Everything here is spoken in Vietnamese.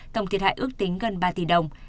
tổng thiệt hại ước tính gần ba tỷ đồng